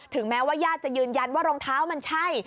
แม้ว่าญาติจะยืนยันว่ารองเท้ามันใช่